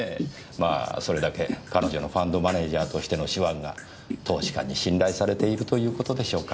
まあそれだけ彼女のファンドマネージャーとしての手腕が投資家に信頼されているという事でしょうか。